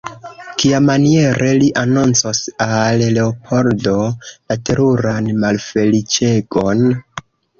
Kiamaniere li anoncos al Leopoldo la teruran malfeliĉegon?